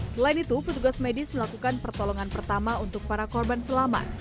selain itu petugas medis melakukan pertolongan pertama untuk para korban selamat